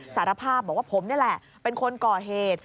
สารภาพบอกว่าผมนี่แหละเป็นคนก่อเหตุ